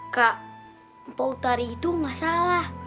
kak pau tari itu ga salah